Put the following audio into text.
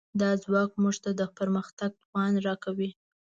دا ځواک موږ ته د پرمختګ توان راکوي.